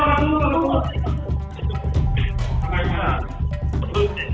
สวัสดีครับวันนี้เราจะกลับมาเมื่อไหร่